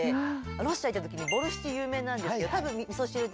ロシア行った時にボルシチ有名なんですが多分味汁的な感じで。